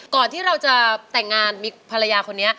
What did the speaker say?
ก่อนที่เราจะแต่งงานมีภรรยาคนนี้